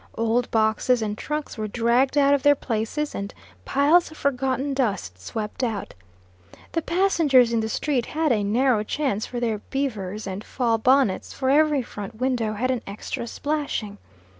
Old boxes and trunks were dragged out of their places, and piles of forgotten dust swept out. The passengers in the street had a narrow chance for their beavers and fall bonnets, for every front window had an extra plashing.